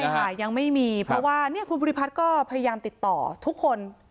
ใช่ค่ะยังไม่มีเพราะว่าเนี่ยคุณภูริพัฒน์ก็พยายามติดต่อทุกคน